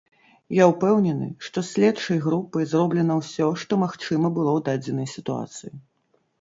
Я ўпэўнены, што следчай групай зроблена ўсё, што магчыма было ў дадзенай сітуацыі.